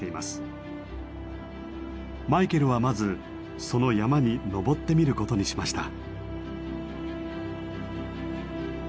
マイケルはまずその山に登ってみることにしました。